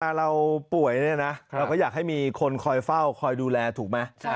เราป่วยเนี่ยนะเราก็อยากให้มีคนคอยเฝ้าคอยดูแลถูกไหม